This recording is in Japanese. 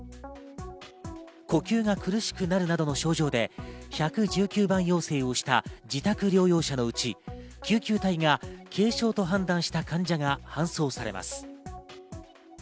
呼吸が苦しくなるなどの症状で１１９番要請をした自宅療養者のうち、救急隊が軽症と判断した患者が搬送されます。